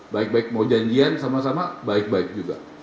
baik baik mau janjian sama sama baik baik juga